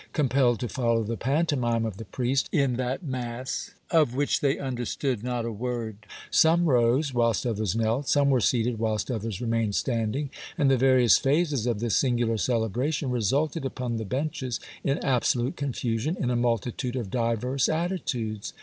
Compelled to fol low the pantomime of the priest, in that mass of which they understood not a word, some rose whilst others knelt, some were seated whilst others remained standing, and the various phases of this singular celebration resulted, upon the benches, in absolute confusion, in a multitude of diverse atti tudes.